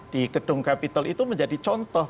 di gedung kapital itu menjadi contoh